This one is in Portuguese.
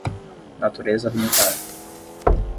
natureza alimentar